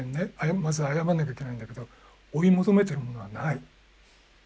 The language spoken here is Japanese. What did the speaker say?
まず謝んなきゃいけないんだけど追い求めているものはない。